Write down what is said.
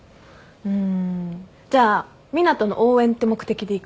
うんじゃあ湊斗の応援って目的で行くわ。